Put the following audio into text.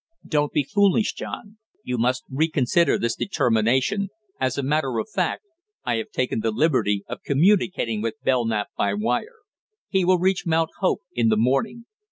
"Don't be foolish, John. You must reconsider this determination; as a matter of fact I have taken the liberty of communicating with Belknap by wire; he will reach Mount Hope in the morning.